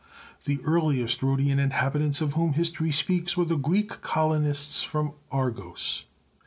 The earliest Rhodian inhabitants of whom history speaks were the Greek colonists from Argos.